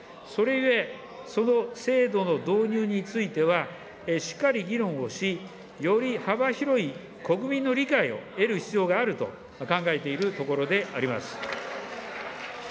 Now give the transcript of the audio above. それゆえ、その制度の導入については、しっかり議論をし、より幅広い国民に理解を得る必要があると考えているところであります。